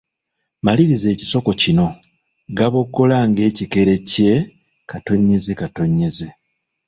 Maliriza ekisoko kino: Gaboggola ng'ekikere kye …….